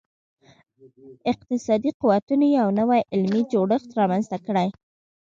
اقتصادي قوتونو یو نوی علمي جوړښت رامنځته کړي.